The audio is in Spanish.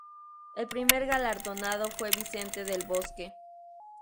El primer galardonado fue Vicente del Bosque.